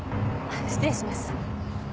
失礼します。